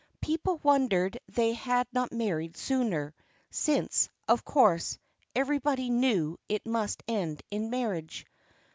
People wondered they had not married sooner, since, of course, everybody knew it must end in marriage.